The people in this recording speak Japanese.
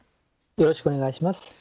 よろしくお願いします。